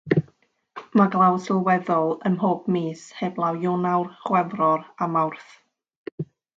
Mae glaw sylweddol ym mhob mis heblaw Ionawr, Chwefror a Mawrth.